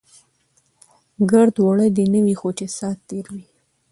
ګړد وړه دی نه وي، خو چې سات تیر وي.